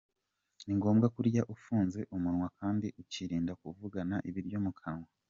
Ni ngombwa kurya ufunze umunwa kandi ukirinda kuvugana ibiryo mu kanwa;.